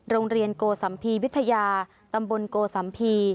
โรงเรียนโกสัมภีวิทยาตำบลโกสัมภีร์